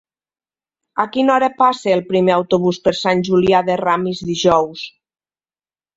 A quina hora passa el primer autobús per Sant Julià de Ramis dijous?